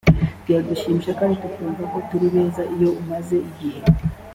biradushimisha kandi tukumva ko turi beza iyo umaze igihe